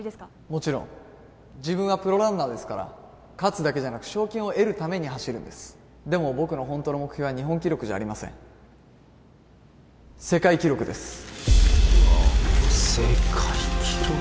もちろん自分はプロランナーですから勝つだけじゃなく賞金を得るために走るんですでも僕のホントの目標は日本記録じゃありません世界記録です世界記録